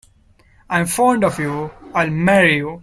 I am fond of you. I will marry you.